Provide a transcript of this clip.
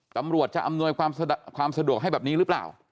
ตำรวจจะอำนวยความสะดวกให้แบบนี้หรือเปล่า